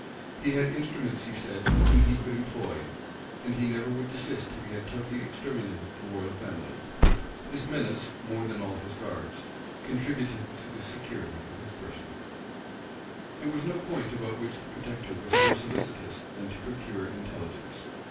He had instruments, he said, whom he could employ; and he never would desist till he had totally exterminated the royal family. This menace, more than all his guards, contributed to the security of his person.[*] * See note Z at the end of the volume. There was no point about which the protector was more solicitous than to procure intelligence.